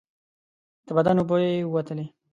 د بدن اوبه یې ووتلې.